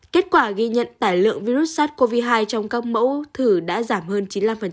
kết quả ghi nhận tải lượng virus sars cov hai trong các mẫu thử đã giảm hơn chín mươi năm